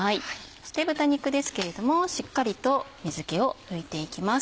そして豚肉ですけれどもしっかりと水気を拭いていきます。